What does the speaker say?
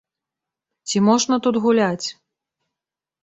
Ці можна тут гуляць?